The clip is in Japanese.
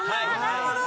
なるほど。